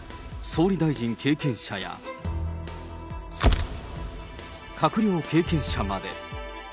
総理大臣経験者や、閣僚経験者まで。